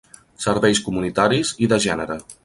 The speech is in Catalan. Serveis comunitaris i de gènere.